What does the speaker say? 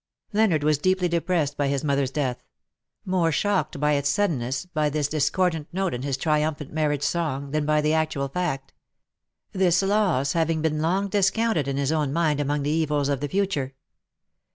Leonard was deeply depressed by his mother^s death ; more shocked by 132 '^NOT THE GODS CAN SHAKE THE PAST." its suddenness^ by this discordant note in his trium phant marriage song, than by the actual fact ; this loss having been long discounted in his own mind among the evils o£ the future.